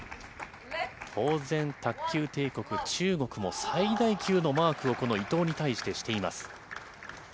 当然、卓球帝国、中国も最大級のマークをこの伊藤に対してしています。